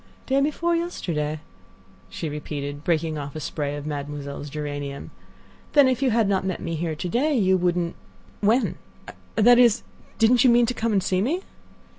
"Day before yesterday," she repeated, breaking off a spray of Mademoiselle's geranium; "then if you had not met me here to day you wouldn't—when—that is, didn't you mean to come and see me?"